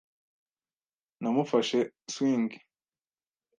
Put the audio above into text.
Namufashe swing.